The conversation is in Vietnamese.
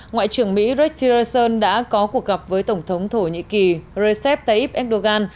ngoại trưởng mỹ rex tillerson đã có cuộc gặp với tổng thống thổ nhĩ kỳ recep tayyip erdogan